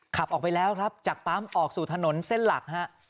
ขับออกไปแล้วครับจากปั๊มออกสู่ถนนเส้นหลักฮะ